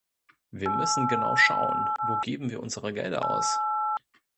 Wir müssen genau schauen, wo geben wir unsere Gelder aus?